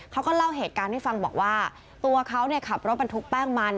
เขาก็เล่าเหตุการณ์ให้ฟังบอกว่าตัวเขาขับรถบรรทุกแป้งมัน